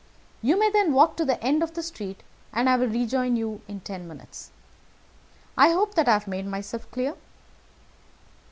You may then walk to the end of the street, and I will rejoin you in ten minutes. I hope that I have made myself clear?"